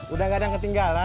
udah gak ada yang ketinggalan